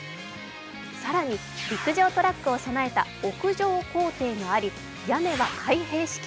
更に陸上トラックを備えた屋上校庭があり屋根は開閉式。